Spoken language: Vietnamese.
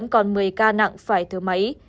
còn một mươi ca nặng phải thử máy